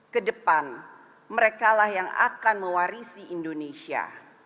ke depan merekalah yang akan mewarisi indonesia